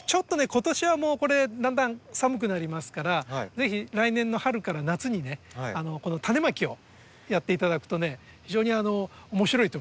今年はもうだんだん寒くなりますからぜひ来年の春から夏にね種まきをやっていただくとね非常に面白いと思います。